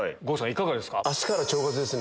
いかがですか？